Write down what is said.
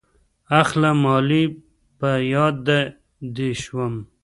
اخله مالې په ياده دې شوم.